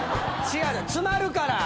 詰まるから。